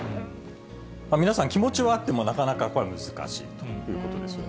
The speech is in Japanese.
皆さん、気持ちはあっても、なかなかこれ、難しいということですよね。